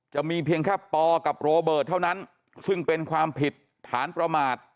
จะมีเพียงแค่ปกับโรเบิร์ตเท่านั้นซึ่งเป็นความผิดฐานประมาท